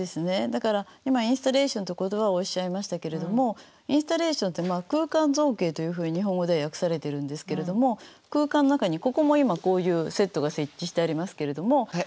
だから今インスタレーションって言葉をおっしゃいましたけれどもインスタレーションって空間造形というふうに日本語では訳されてるんですけれども空間の中にここも今こういうセットが設置してありますけれども。